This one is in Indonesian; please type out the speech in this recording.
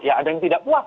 ya ada yang tidak puas